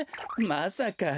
まさか。